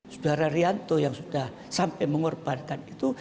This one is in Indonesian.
saudara rianto yang sudah sampai mengorbankan itu